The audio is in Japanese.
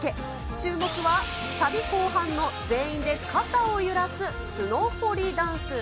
注目は、サビ後半の全員で肩を揺らすスノホリダンス。